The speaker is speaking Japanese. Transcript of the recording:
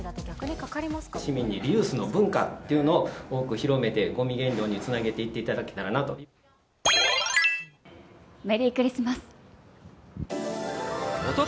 市民にリユースの文化っていうのを多く広めて、ごみ減量につなげていっていただけたらなと。